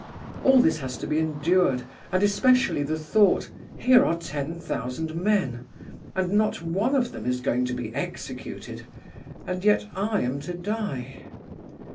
All this has to be endured, and especially the thought: 'Here are ten thousand men, and not one of them is going to be executed, and yet I am to die.